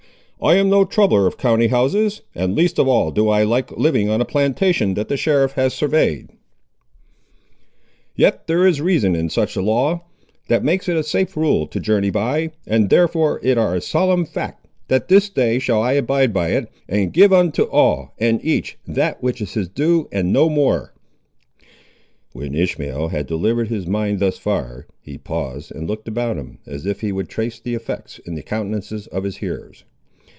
I am no troubler of countyhouses, and least of all do I like living on a plantation that the sheriff has surveyed; yet there is a reason in such a law, that makes it a safe rule to journey by, and therefore it ar' a solemn fact that this day shall I abide by it, and give unto all and each that which is his due and no more." When Ishmael had delivered his mind thus far, he paused and looked about him, as if he would trace the effects in the countenances of his hearers.